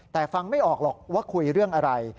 แต่ฟังไม่ออกหรอกว่าคุยเรื่องอะไร